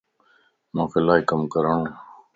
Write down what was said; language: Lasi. مانک الائي ڪم ڪرڻو وَ